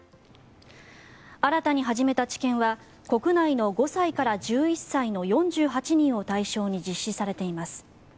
新たに始めた治験は国内の５歳から１１歳の４８人を対象に実施されています。